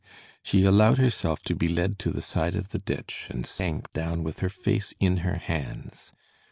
She allowed herself to be led to the side of the ditch and sank down with her face in her hands.